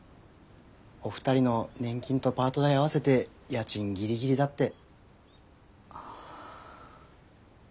お二人の年金とパート代合わせて家賃ギリギリだって。